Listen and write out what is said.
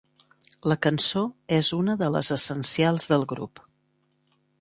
La cançó és una de les essencials del grup.